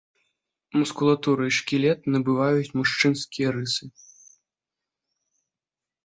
Мускулатура і шкілет набываюць мужчынскія рысы.